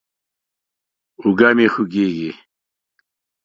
اوږه مې خوږېږي.